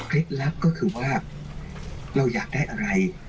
เคล็ดลักษณ์ก็คือว่าเราอยากได้อะไร